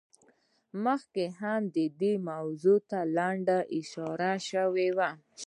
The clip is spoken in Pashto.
مخکې هم دې موضوع ته لنډه اشاره شوې وه.